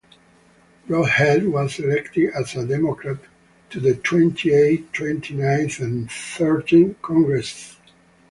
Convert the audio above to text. Brodhead was elected as a Democrat to the Twenty-eighth, Twenty-ninth, and Thirtieth Congresses.